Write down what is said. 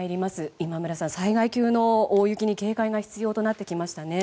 今村さん、災害級の大雪に警戒が必要となってきましたね。